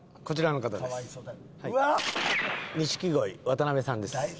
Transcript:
こちらの方です。